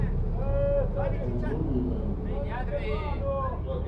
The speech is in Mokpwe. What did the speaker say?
Ò rzóhwì hwàèní.